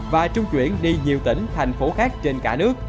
và trung chuyển đi nhiều tỉnh thành phố khác trên cả nước